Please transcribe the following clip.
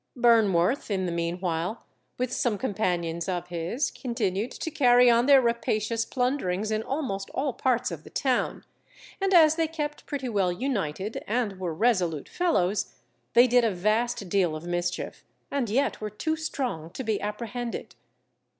Burnworth, in the meanwhile, with some companions of his, continued to carry on their rapacious plunderings in almost all parts of the town; and as they kept pretty well united, and were resolute fellows, they did a vast deal of mischief, and yet were too strong to be apprehended.